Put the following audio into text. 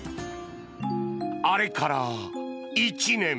あれから１年。